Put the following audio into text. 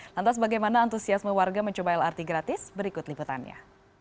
lantas bagaimana antusiasme warga mencoba lrt gratis berikut liputannya